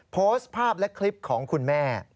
โพสต์ภาพและคลิปของคุณแม่